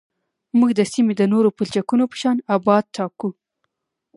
موږ د سیمې د نورو پلچکونو په شان ابعاد ټاکو